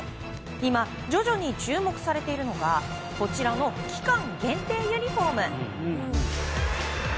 今、徐々に注目されているのがこちらの期間限定ユニホーム。